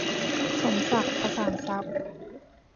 สมศักดิ์ ประสานทรัพย์